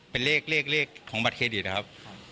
เป็นเลขของบัตรเครดิตครับ